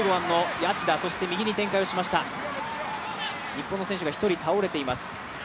日本の選手が１人倒れています。